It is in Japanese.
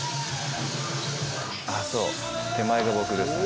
そう手前が僕ですね。